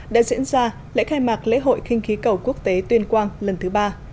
đã diễn ra lễ khai mạc lễ hội kinh khí cầu quốc tế tuyên quang lần thứ ba